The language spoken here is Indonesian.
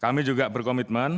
kami juga berkomitmen